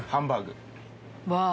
わあ！